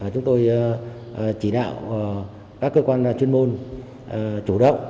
chúng tôi chỉ đạo các cơ quan chuyên môn chủ động